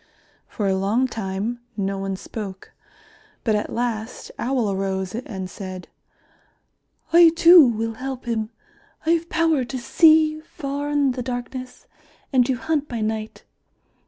For a long time no one spoke, but at last Owl arose and said, "I too will help him. I have power to see far in the darkness, and to hunt by night.